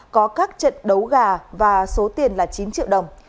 có các trận đấu gà và số tiền là chín triệu đồng